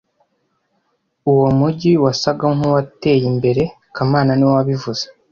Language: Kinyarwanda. Uwo mujyi wasaga nkuwateye imbere kamana niwe wabivuze